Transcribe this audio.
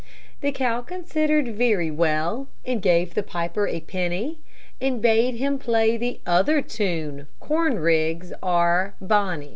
The cow considered very well, And gave the piper a penny, And bade him play the other tune, "Corn rigs are bonny."